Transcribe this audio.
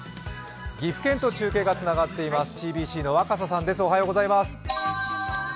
岐阜県と中継がつながっていますＣＢＣの若狭さんです。